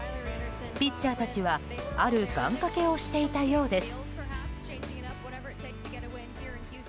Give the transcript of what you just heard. ピッチャーたちはある願掛けをしていたようです。